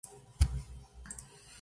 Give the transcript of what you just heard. Predominan los pinares y alcornocales.